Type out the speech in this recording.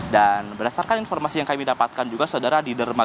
dan berdasarkan informasi yang kami dapatkan juga saudara